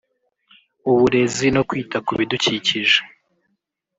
Uburezi no kwita ku bidukikije